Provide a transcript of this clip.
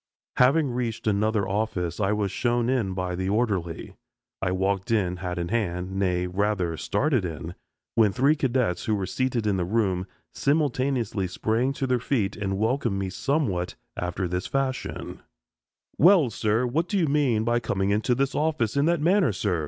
Having reached another office, I was shown in by the orderly. I walked in, hat in hand nay, rather started in when three cadets, who were seated in the room, simultaneously sprang to their feet and welcomed me somewhat after this fashion: "Well, sir, what do you mean by coming into this office in that manner, sir?